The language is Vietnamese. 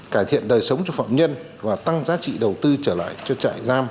cải thiện đời sống cho phạm nhân và tăng giá trị đầu tư trở lại cho trại giam